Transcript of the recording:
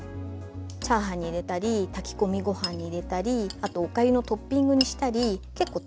チャーハンに入れたり炊き込みご飯に入れたりあとおかゆのトッピングにしたり結構使いでがあります。